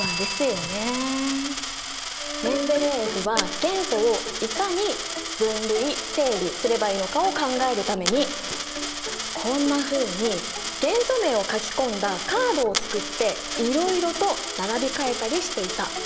メンデレーエフは元素をいかに分類整理すればいいのかを考えるためにこんなふうに元素名を書き込んだカードをつくっていろいろと並び替えたりしていた。